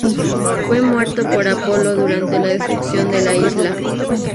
Fue muerto por Apolo durante la destrucción de la isla.